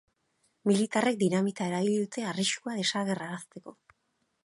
Militarrek dinamita erabili dute arriskua desagerrarazteko.